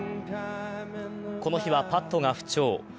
この日はパットが不調。